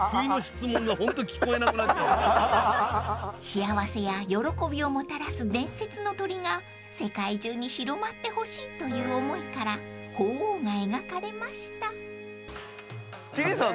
［幸せや喜びをもたらす伝説の鳥が世界中に広まってほしいという思いから鳳凰が描かれました］